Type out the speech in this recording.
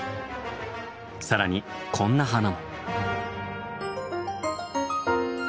更にこんな花も。